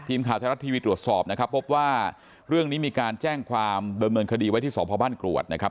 ทีมข่าวไทยรัฐทีวีตรวจสอบนะครับพบว่าเรื่องนี้มีการแจ้งความดำเนินคดีไว้ที่สพบ้านกรวดนะครับ